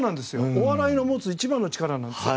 お笑いの持つ１番の力なんです。